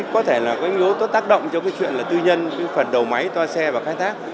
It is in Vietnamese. có thể là có những yếu tố tác động trong chuyện tư nhân phần đầu máy toa xe và khai thác